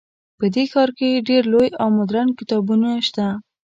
په دې ښار کې ډیر لوی او مدرن کتابتونونه شته